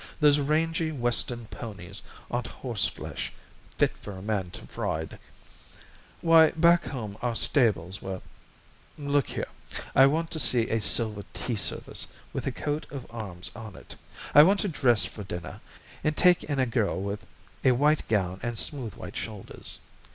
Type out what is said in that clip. Those rangy western ponies aren't horseflesh, fit for a man to ride. Why, back home our stables were Look here. I want to see a silver tea service, with a coat of arms on it. I want to dress for dinner, and take in a girl with a white gown and smooth white shoulders.